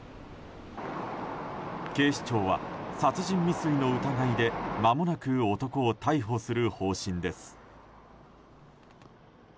警視庁は殺人未遂の疑いでまもなく男を逮捕する方針です。